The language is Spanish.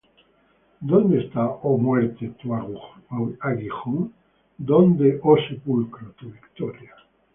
¿Dónde está, oh muerte, tu aguijón? ¿dónde, oh sepulcro, tu victoria?